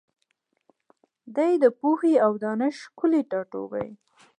دی د پوهي او دانش ښکلی ټاټوبی